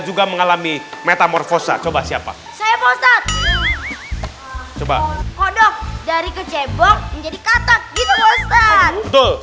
juga mengalami metamorfosa coba siapa saya bostad coba kodok dari kecebong menjadi katak gitu betul